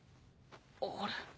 あれ？